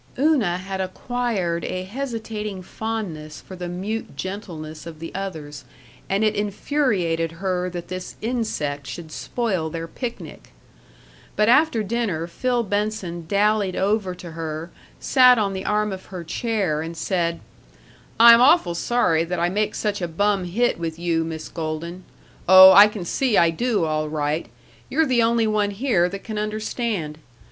Una had acquired a hesitating fondness for the mute gentleness of the others, and it infuriated her that this insect should spoil their picnic. But after dinner Phil Benson dallied over to her, sat on the arm of her chair, and said: "I'm awfully sorry that I make such a bum hit with you, Miss Golden. Oh, I can see I do, all right. You're the only one here that can understand.